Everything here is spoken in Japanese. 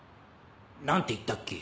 何て言ったっけ？